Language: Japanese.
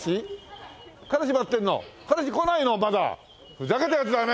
ふざけたヤツだね！